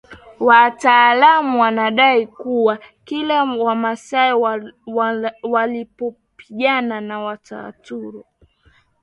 Wataalamu wanadai kuwa kila Wamasai walipopigana na Wataturu